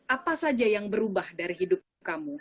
apa saja yang berubah dari hidup kamu